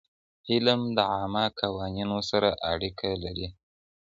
علم د عامه قوانينو سره اړيکه لري.